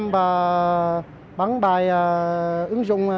và bắn bài ứng dụng bốn a